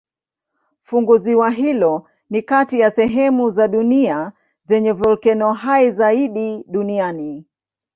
Funguvisiwa hilo ni kati ya sehemu za dunia zenye volkeno hai zaidi duniani.